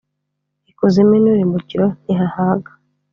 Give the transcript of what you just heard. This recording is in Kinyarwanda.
ikuzimu nirimbukiro ntihahaga